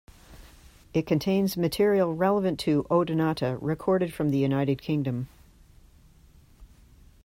It contains material relevant to Odonata recorded from the United Kingdom.